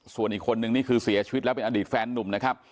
ส่วนอีกคนนึงนี่คือเสียชีวิตแล้วเป็นอดีตแฟนนุ่มนะครับ